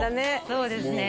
そうですね